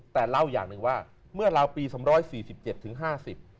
แต่เล่าอย่างหนึ่งว่าเมื่อราวปีสองร้อยสี่สิบเจ็ดถึงห้าสิบ